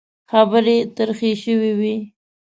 خبرې ترخې شوې وې.